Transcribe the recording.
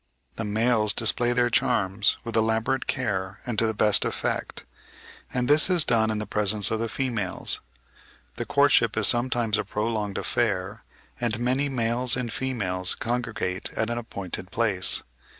The males display their charms with elaborate care and to the best effect; and this is done in the presence of the females. The courtship is sometimes a prolonged affair, and many males and females congregate at an appointed place.